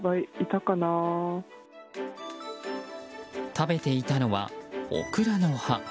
食べていたのはオクラの葉。